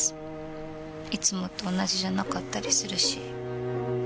いつもと同じじゃなかったりするし。